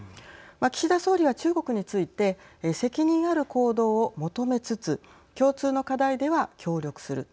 岸田総理は中国について責任ある行動を求めつつ共通の課題では協力する。